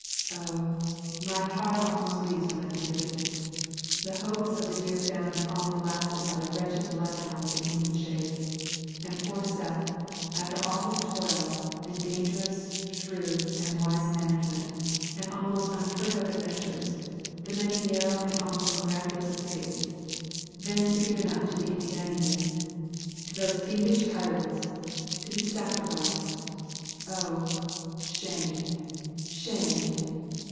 O! my heart almost bleeds when I think of it. The hopes of the dear family all blasted by the wretched blood hounds in human shape. And poor Seth, after all his toil, and dangerous, shrewd and wise management, and almost unheard of adventures, the many narrow and almost miraculous escapes. Then to be given up to Indianians, to these fiendish tyrants, to be sacrificed. O! Shame, Shame!!